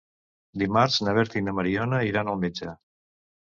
Dimarts na Berta i na Mariona iran al metge.